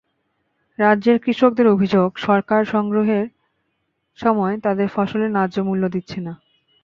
রাজ্যের কৃষকদের অভিযোগ, সরকার সংগ্রহের সময় তাঁদের ফসলের ন্যায্যমূল্য দিচ্ছে না।